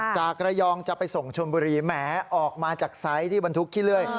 จากระยองจะไปส่งชนบุรีแหมออกมาจากไซส์ที่บรรทุกขี้เลื่อย